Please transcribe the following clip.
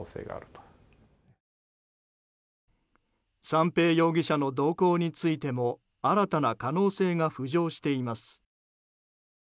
三瓶容疑者の動向についても新たな可能性が浮上しています。